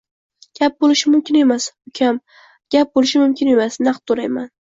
Gap bo`lishi mumkin emas, ukam, gap bo`lishi mumkin emasNaqd to`layman